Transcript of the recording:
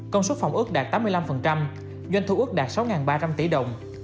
công suất phòng ước đạt tám mươi năm doanh thu ước đạt sáu ba trăm linh tỷ đồng